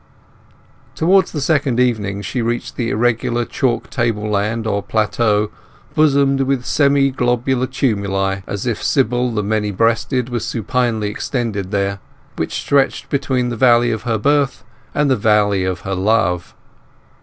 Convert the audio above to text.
Towards the second evening she reached the irregular chalk table land or plateau, bosomed with semi globular tumuli—as if Cybele the Many breasted were supinely extended there—which stretched between the valley of her birth and the valley of her love.